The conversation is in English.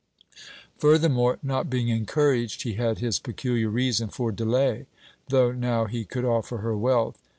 Furthermore, not being encouraged, he had his peculiar reason for delay, though now he could offer her wealth.